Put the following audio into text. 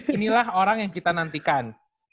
inilah orang yang kita nantikan